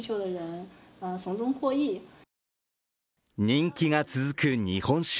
人気が続く日本酒。